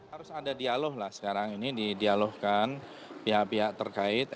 harus ada dialog lah sekarang ini didialogkan pihak pihak terkait